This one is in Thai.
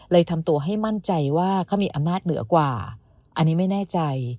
ทำตัวให้มั่นใจว่าเขามีอำนาจเหนือกว่าอันนี้ไม่แน่ใจ